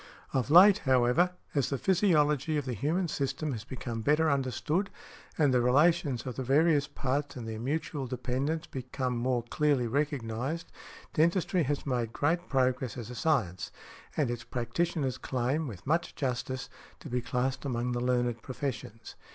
Of late, however, as the physiology of the human system has become better understood, and the relations of the various parts and their mutual dependence become more clearly recognized, dentistry has made great progress as a science, and its practitioners claim, with much justice, to be classed among the learned professions.